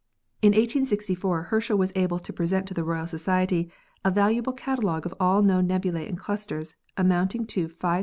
In 1864 Herschel was able to present to the Royal Society a valuable catalogue of all known nebulae and clusters, amounting to 5,079.